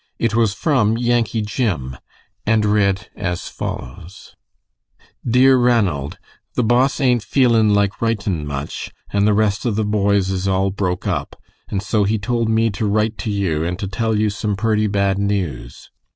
It was from Yankee Jim, and read as follows: Dear Ranald The Boss aint feelin like ritin much and the rest of the boys is all broke up, and so he told me to rite to you and to tell you some purty bad news.